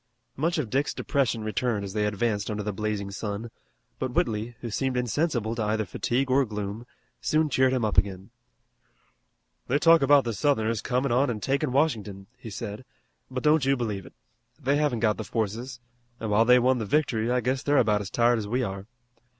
Much of Dick's depression returned as they advanced under the blazing sun, but Whitley, who seemed insensible to either fatigue or gloom, soon cheered him up again. "They talk about the Southerners comin' on an' takin' Washington," he said, "but don't you believe it. They haven't got the forces, an' while they won the victory I guess they're about as tired as we are.